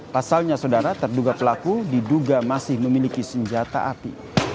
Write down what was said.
pasalnya saudara terduga pelaku diduga masih memiliki senjata api